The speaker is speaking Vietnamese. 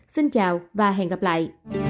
xin chào và hẹn gặp lại